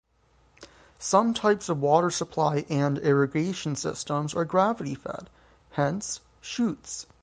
Some types of water supply and irrigation systems are gravity fed, hence chutes.